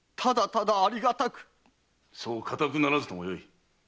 そうかたくならずともよい。